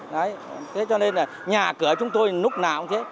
đấy thế cho nên là nhà cửa chúng tôi lúc nào cũng thế